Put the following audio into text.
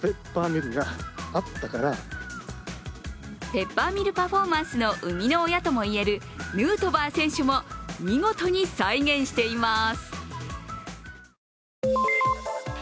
ペッパーミルパフォーマンス生みの親ともいえるヌートバー選手も見事に再現しています。